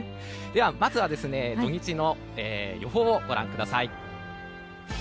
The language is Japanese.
では、まずは土日の予報をご覧ください。